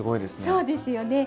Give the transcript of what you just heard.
そうですよね。